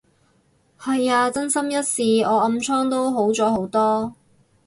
係啊，真心一試，我暗瘡都好咗好多